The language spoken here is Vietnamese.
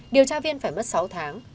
điều tra viên phải mất sáu tháng